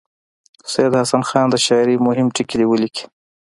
سید حسن خان د شاعرۍ مهم ټکي دې ولیکي.